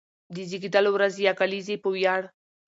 د زېږېدلو ورځې يا کليزې په وياړ،